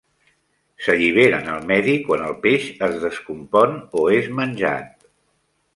S'alliberen al medi quan el peix es descompon o és menjat.